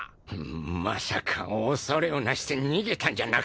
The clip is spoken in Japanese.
まさか恐れをなして逃げたんじゃなかろうな？